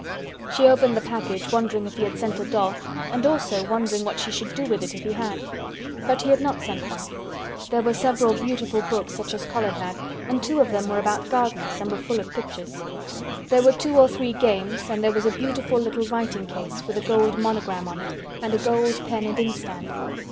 She opened the package wondering if he had sent a doll, and also wondering what she should do with it if he had. But he had not sent one. There were several beautiful books such as Colin had, and two of them were about gardens and were full of pictures. There were two or three games and there was a beautiful little writing case with a gold monogram on it and a gold pen and inkstand.